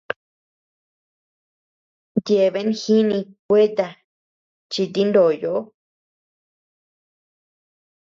Yeabean jini kueta chi tiï ndoyo.